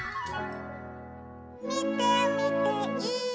「みてみてい！」